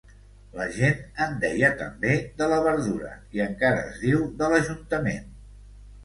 La gent en deia també de la Verdura i encara es diu de l'Ajuntament.